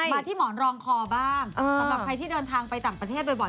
มาที่หมอนรองคอบ้างสำหรับใครที่เดินทางไปต่างประเทศบ่อย